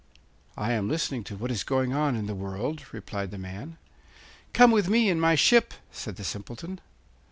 'I am listening to what is going on in the world,' replied the man. 'Come with me in my ship,' said the Simpleton.